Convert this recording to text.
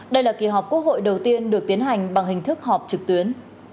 đây là kỳ họp quốc hội đầu tiên được tiến hành bằng hình thức họp trực tuyến